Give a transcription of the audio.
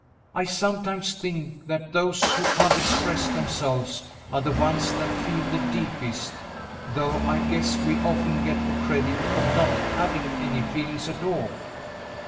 I sometimes think that those who can't express themselves are the ones that feel the deepest, though I guess we often get the credit of not having any feelings at all."